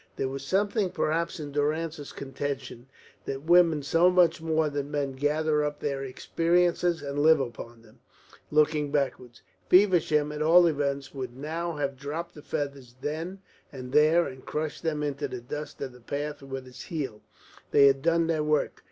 There was something perhaps in Durrance's contention that women so much more than men gather up their experiences and live upon them, looking backwards. Feversham, at all events, would now have dropped the feathers then and there and crushed them into the dust of the path with his heel; they had done their work.